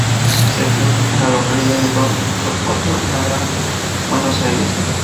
Se crió en la localidad de Don Torcuato, en el Gran Buenos Aires.